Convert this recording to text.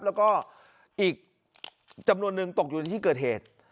แล้วก็อีกจำนวนนึงตกอยู่ในที่เกิดเหตุ